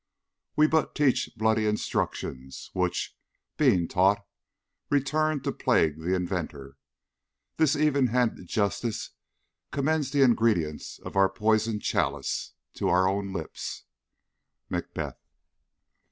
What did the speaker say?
We but teach Bloody instructions, which, being taught, return To plague the inventor. This even handed justice Commends the ingredients of our poisoned chalice To our own lips. MACBETH.